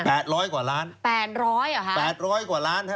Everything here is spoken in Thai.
ร้อยกว่าล้านแปดร้อยเหรอฮะแปดร้อยกว่าล้านฮะ